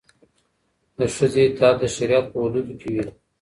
د ښځې اطاعت د شریعت په حدودو کې وي.